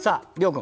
君